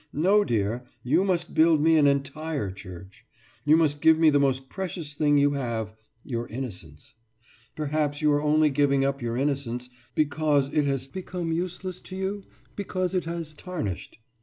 No, dear, you must build me an entire church. You must give me the most precious thing you have, your innocence. Perhaps you are only giving up your innocence because it has become useless to you, because it has tarnished.